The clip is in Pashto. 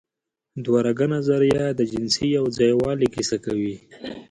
د دوهرګه نظریه د جنسي یوځای والي کیسه کوي.